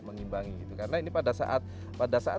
mengimbangi karena ini pada saat